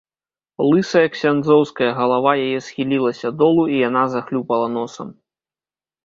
Лысая ксяндзоўская галава яе схілілася долу, і яна захлюпала носам.